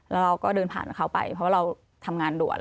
แล้วเราก็เดินผ่านเขาไปเพราะว่าเราทำงานด่วน